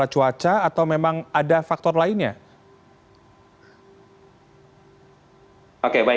kemudian kita melihat bahwa kita sudah melakukan evakuasi